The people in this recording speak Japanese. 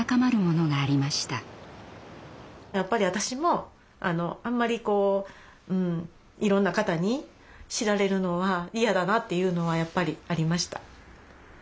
やっぱり私もあんまりこううんいろんな方に知られるのは嫌だなっていうのはやっぱりありました。